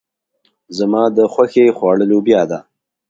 زما د خوښې خواړه لوبيا ده.